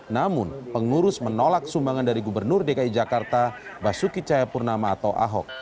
namun pengurus menolak sumbangan dari gubernur dki jakarta basuki cahayapurnama atau ahok